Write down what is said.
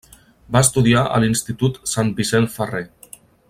Va estudiar a l'institut Sant Vicent Ferrer.